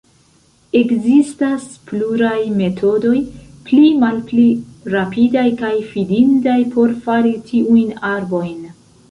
Ekzistas pluraj metodoj, pli malpli rapidaj kaj fidindaj, por fari tiujn arbojn.